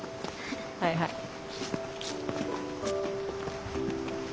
はいはい。